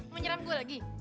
menyeram gue lagi